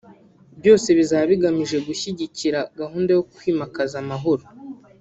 byose bizaba bigamije gushyigikira gahunda yo kwimakaza amahoro